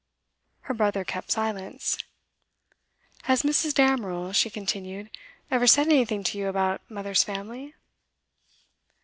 Her brother kept silence. 'Has Mrs. Damerel,' she continued, 'ever said anything to you about mother's family?